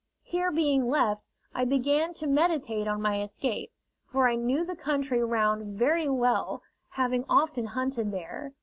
Here being left, I began to meditate on my escape, for I knew the country round very well, having often hunted there.